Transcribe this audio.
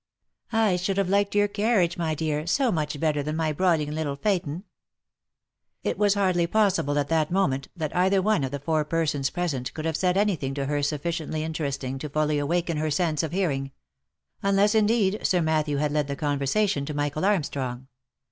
" I should have liked your carriage, my dear, so much better than my broiling little phaeton !" It was hardly possible at that moment, that either one of the four persons present could have said any thing to her sufficiently interest ing to fully awaken her sense of hearing ; unless, indeed, Sir Matthew had led the conversation to Michael Armstrong.